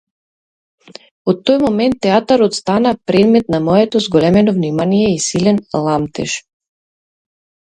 Од тој момент театарот стана предмет на моето зголемено внимание и силен ламтеж.